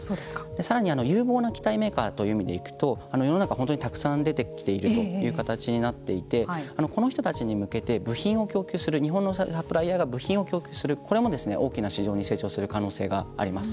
さらに有望な機体メーカーという意味でいくと世の中本当にたくさん出てきているという形になっていてこの人たちに向けて部品を供給する日本のサプライヤーが部品を供給するこれも大きな市場に成長する可能性があります。